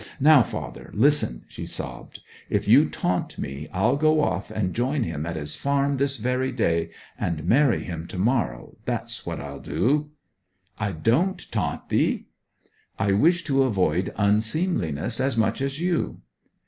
'Now, father, listen!' she sobbed; 'if you taunt me I'll go off and join him at his farm this very day, and marry him to morrow, that's what I'll do!' 'I don't taant ye!' 'I wish to avoid unseemliness as much as you.'